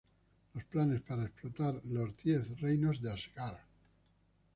Los planes para explotar los Diez Reinos de Asgard.